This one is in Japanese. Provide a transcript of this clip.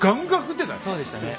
そうでしたね。